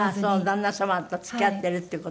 旦那様と付き合ってるって事？